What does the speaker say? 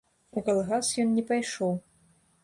У калгас ён не пайшоў.